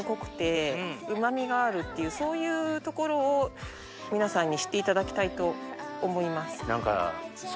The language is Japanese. そういうところを皆さんに知っていただきたいと思います。